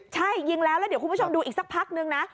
ใช่ยิงแล้วแล้วเดี๋ยวคุณผู้ชมดูอีกสักพักนึงนะ